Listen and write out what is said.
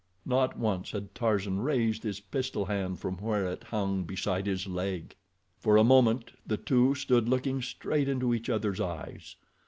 Not once had Tarzan raised his pistol hand from where it hung beside his leg. For a moment the two stood looking straight into each other's eyes.